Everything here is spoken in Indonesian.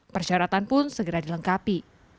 persyaratan pun segera dilengkapi